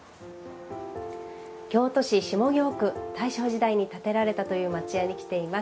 京都市下京区大正時代に建てられたという町家に来ています。